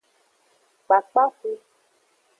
Kpakpaxu.